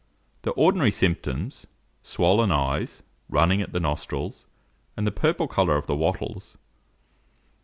The ordinary symptoms, swollen eyes, running at the nostrils, and the purple colour of the wattles.